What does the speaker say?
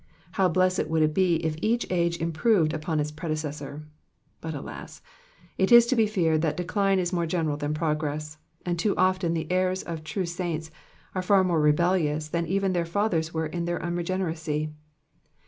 How blessed would it be if each age improved upon its predecessor ; but, alas ! it is to be feared that decline is more general than progress, and too often the heirs of true saints are far more rebellious than even their fathers were in their unregeneracy.